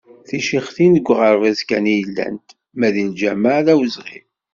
Ticixtin deg uɣerbaz kan i llant, ma deg lǧameɛ d awezɣi.